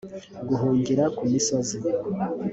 guhungira ku misozi